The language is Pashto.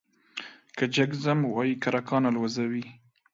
که جگ ځم وايي کرکان الوزوې ،